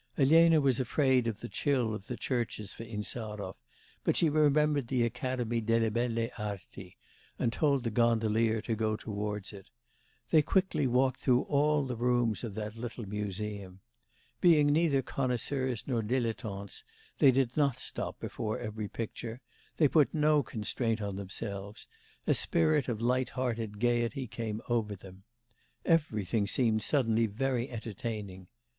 Elena was afraid of the chill of the churches for Insarov; but she remembered the academy delle Belle Arti, and told the gondolier to go towards it. They quickly walked through all the rooms of that little museum. Being neither connoisseurs nor dilettantes, they did not stop before every picture; they put no constraint on themselves; a spirit of light hearted gaiety came over them. Everything seemed suddenly very entertaining.